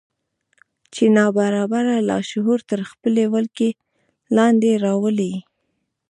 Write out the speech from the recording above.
چې ناببره لاشعور تر خپلې ولکې لاندې راولي.